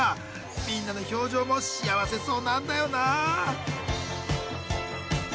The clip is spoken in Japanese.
みんなの表情も幸せそうなんだよなー